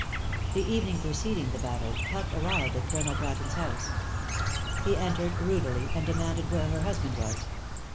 The evening preceding the battle, Huck arrived at Colonel Bratton's house. He entered rudely, and demanded where her husband was.